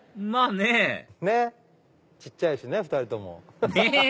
まぁね小っちゃいしね２人とも。ねっ！